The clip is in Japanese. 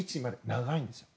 長いんですよ。